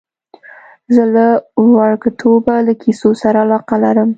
زه له وړکتوبه له کیسو سره علاقه لرم.